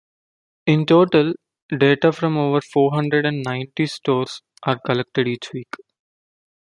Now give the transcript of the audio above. In total, data from over four-hundred and ninety stores are collected each week.